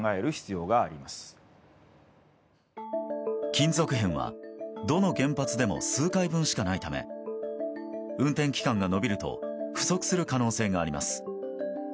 金属片は、どの原発でも数回分しかないため運転期間が延びると不足する可能性があります。